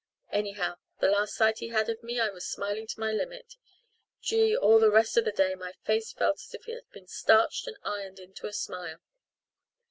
Anyhow, the last sight he had of me I was smiling to my limit. Gee, all the rest of the day my face felt as if it had been starched and ironed into a smile."